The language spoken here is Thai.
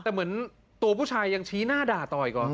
แต่เหมือนตัวผู้ชายยังชี้หน้าด่าต่ออีกเหรอ